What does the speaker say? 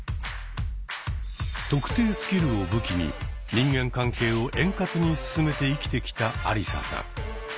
「特定」スキルを武器に人間関係を円滑に進めて生きてきたアリサさん。